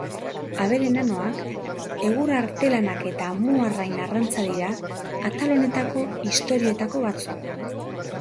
Abere nanoak, egur artelanak eta amuarrain arrantza dira atal honetako historioetako batzuk.